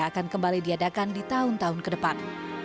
akan kembali diadakan di tahun tahun ke depan